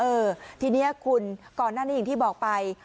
เออทีนี้คุณก่อนหน้านี้อย่างที่บอกไป